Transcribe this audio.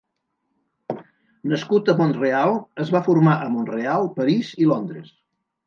Nascut a Mont-real, es va formar a Mont-real, París i Londres.